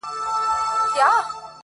دا حالت ښيي چي هغه له خپل فردي وجود څخه ,